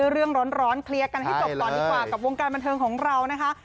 เรื่องร้อนเคลียร์กันให้จบก่อนดีกว่ากับวงการบันเทิงของเรานะคะ